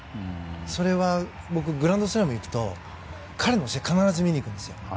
それは、僕、グランドスラムに行くと、彼の試合を見に行くんですよ。